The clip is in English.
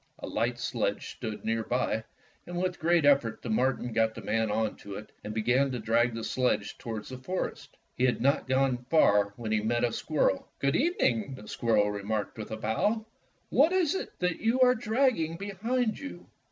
A light sledge stood near by, and with great effort the marten got the man onto it and began to drag the sledge toward the forest. He had not gone far when he met a squirrel. "Good evening," the squirrel remarked with a bow, "what is that you are dragging behind you.